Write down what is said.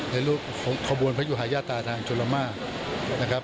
ในรูปของขบวนพระอยู่หายาตาทางจุฬม่า